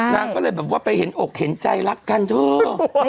นางก็เลยแบบว่าไปเห็นอกเห็นใจรักกันเถอะ